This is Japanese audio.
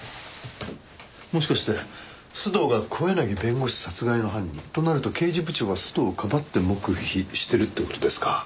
もしかして須藤が小柳弁護士殺害の犯人。となると刑事部長は須藤をかばって黙秘してるって事ですか。